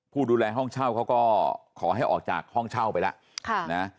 ผู้ดูแลห้องเช่าเขาก็ขอให้ออกจากห้องเช่าไปแล้ว